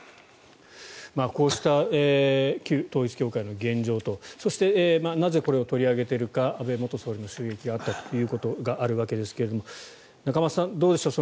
こうした旧統一教会の現状とそして、なぜこれを取り上げているか安倍元総理の襲撃があったということがあるわけですが仲正さんどうでしょう。